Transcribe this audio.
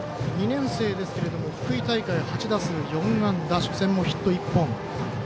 ２年生ですけど福井大会は８打数４安打、初戦もヒット１本。